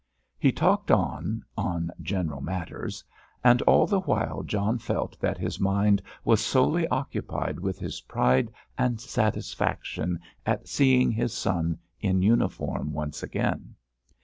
He talked on, on general matters, and all the while John felt that his mind was solely occupied with his pride and satisfaction at seeing his son in uniform once again.